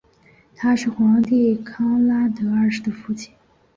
他是皇帝康拉德二世的父亲。